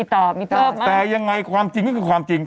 ตอบแต่ยังไงความจริงก็คือความจริง